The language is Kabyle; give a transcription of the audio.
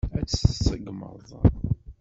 Ad tt-tseggmeḍ?